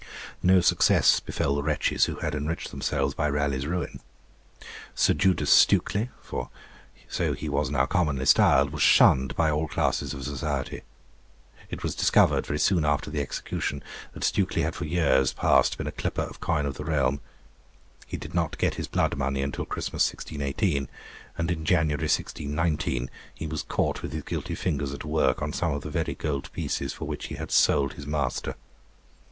No success befell the wretches who had enriched themselves by Raleigh's ruin. Sir Judas Stukely, for so he was now commonly styled, was shunned by all classes of society. It was discovered very soon after the execution, that Stukely had for years past been a clipper of coin of the realm. He did not get his blood money until Christmas 1618, and in January 1619 he was caught with his guilty fingers at work on some of the very gold pieces for which he had sold his master.